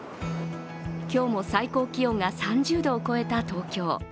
今日も最高気温が３０度を超えた東京。